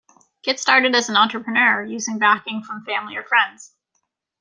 Get started as an entrepreneur using backing from family or friends.